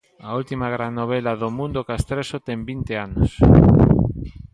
A última gran novela do mundo castrexo ten vinte anos.